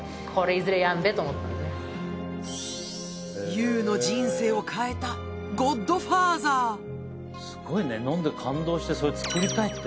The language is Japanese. ＹＯＵの人生を変えたゴッドファーザーすごいね飲んで感動してそれ造りたいって。